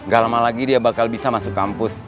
gak lama lagi dia bakal bisa masuk kampus